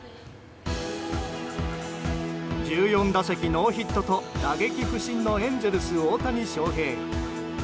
１４打席ノーヒットと打撃不振のエンゼルス大谷翔平。